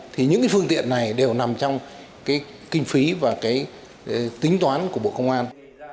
thì những phương tiện này đều nằm trong kinh phí và tính toán của bộ công an